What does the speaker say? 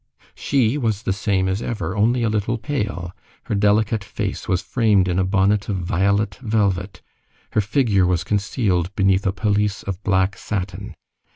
She was the same as ever, only a little pale; her delicate face was framed in a bonnet of violet velvet, her figure was concealed beneath a pelisse of black satin.